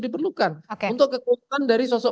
diperlukan untuk kekuatan dari sosok